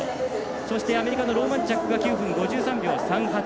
そしてアメリカのローマンチャックが９分５３秒３８。